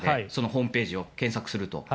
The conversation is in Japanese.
ホームページを検索すると。